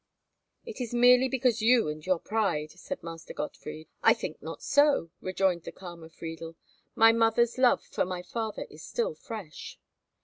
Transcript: "It is merely because of you and your pride," said Master Gottfried. "I think not so," rejoined the calmer Friedel; "my mother's love for my father is still fresh."